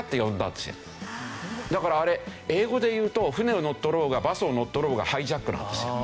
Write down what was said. だからあれ英語で言うと船を乗っ取ろうがバスを乗っ取ろうがハイジャックなんですよ。